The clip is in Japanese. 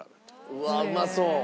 うわうまそう！